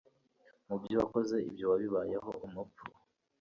Mu byo wakoze ibyo wabibayeho umupfu